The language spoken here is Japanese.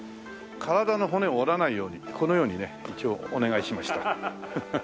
体の骨を折らないようにこのようにね一応お願いしました。